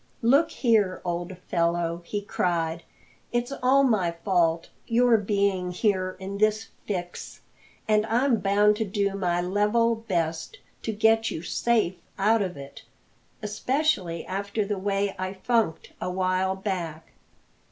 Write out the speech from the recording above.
"Look here, old fellow," he cried, "it's all my fault, your being here in this fix; and I'm bound to do my level best to get you safe out of it, especially after the way I funked a while back.